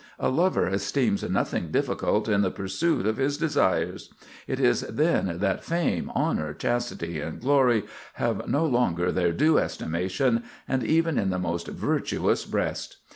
A lover esteems nothing difficult in the pursuit of his desires. It is then that fame, honor, chastity, and glory have no longer their due estimation, even in the most virtuous breast.